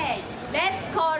レッツコール